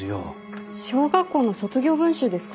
小学校の卒業文集ですか？